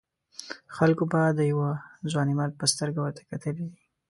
خلکو به د یوه ځوانمرد په سترګه ورته کتلي وي.